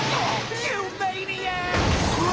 うわ！